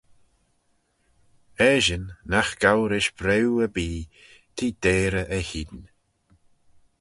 Eshyn nagh gow rish briw erbee t'eh deyrey eh hene